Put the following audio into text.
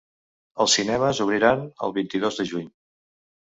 Els cinemes obriran el vint-i-dos de juny.